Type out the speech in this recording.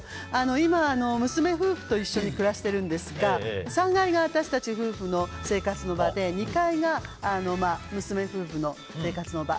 今、娘夫婦と一緒に暮らしているんですが３階が私たち夫婦の生活の場で２階が娘夫婦の生活の場。